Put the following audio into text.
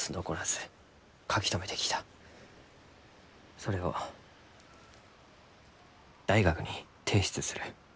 それを大学に提出する。